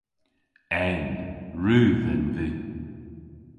En. Rudh en vy.